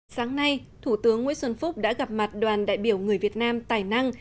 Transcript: sáng nay thủ tướng nguyễn xuân phúc đã gặp mặt đoàn đại biểu người việt nam tài năng